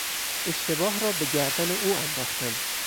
اشتباه را به گردن او انداختند.